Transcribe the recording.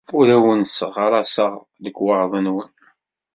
Ur awen-sseɣraseɣ lekwaɣeḍ-nwen.